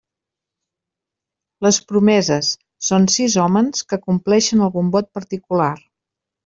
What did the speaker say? Les promeses: són sis hòmens que compleixen algun vot particular.